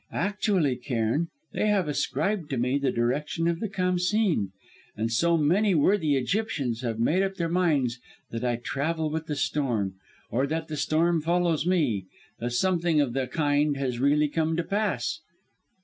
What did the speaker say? Actually, Cairn, they have ascribed to me the direction of the Khamsîn, and so many worthy Egyptians have made up their minds that I travel with the storm or that the storm follows me that something of the kind has really come to pass!